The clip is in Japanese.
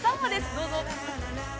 どうぞ。